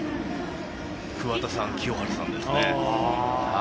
桑田さん清原さんですね。